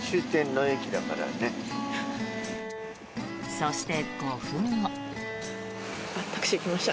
そして、５分後。